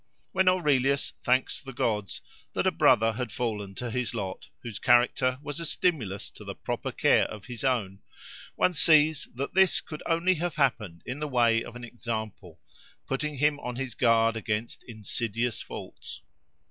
When Aurelius thanks the gods that a brother had fallen to his lot, whose character was a stimulus to the proper care of his own, one sees that this could only have happened in the way of an example, putting him on his guard against insidious faults.